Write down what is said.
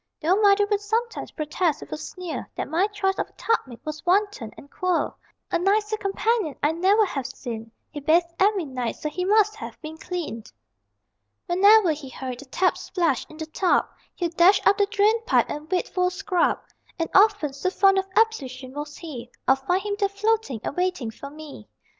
Though mother would sometimes protest with a sneer That my choice of a tub mate was wanton and queer, A nicer companion I never have seen: He bathed every night, so he must have been clean. Whenever he heard the tap splash in the tub He'd dash up the drain pipe and wait for a scrub, And often, so fond of ablution was he, I'd find him there floating and waiting for me.